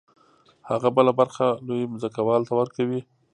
هغه بله برخه لوی ځمکوال ته ورکوي